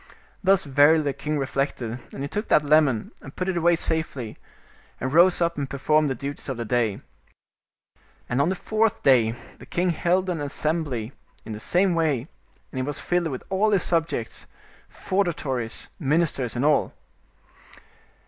Thus verily the king reflected, and he took that lemon, and put it away safely, and rose up and performed the duties of the day. And on the fourth day the king held an assembly in the same way, and it was filled with all his subjects, feudatories, ministers and all.